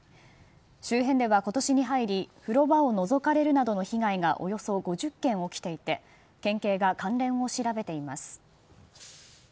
周辺では今年に入り風呂場をのぞかれるなどの被害がおよそ５０件起きていて県警が関連を調べています。